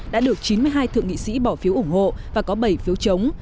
đã được chín mươi hai thượng nghị sĩ bỏ phiếu ủng hộ và có bảy phiếu chống